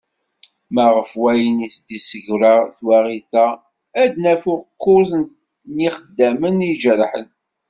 Ma ɣef wayen i d-tessegra twaɣit-a, ad naf ukuẓ n yixeddamen i ijerḥen.